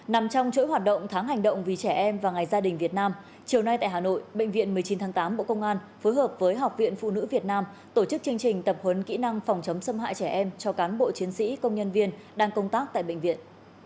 nằm trong chuỗi hoạt động tháng hành động vì trẻ em và ngày gia đình việt nam chiều nay tại hà nội bệnh viện một mươi chín tháng tám bộ công an phối hợp với học viện phụ nữ việt nam tổ chức chương trình tập huấn kỹ năng phòng chống xâm hại trẻ em cho cán bộ chiến sĩ công nhân viên đang công tác tại bệnh viện